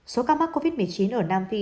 số ca mắc covid một mươi chín ở nam phi